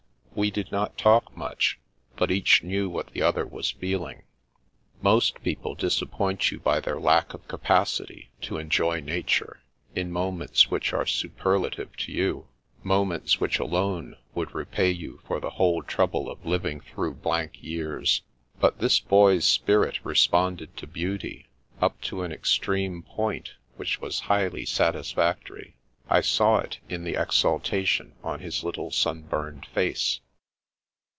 We did not talk much, but each knew what the other was feeling. Most people disappoint you by their lack of capacity to enjoy nature, in moments which are superlative to you — moments which alone would repay you for the whole trouble of living through blank years. But this boy's spirit responded to beauty, up to an extreme point which was highly satisfactory. I saw it in the exaltation on his little sunburned face.